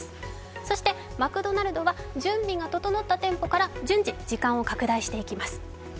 そしてマクドナルドは準備が整った店舗から順次再開していきます。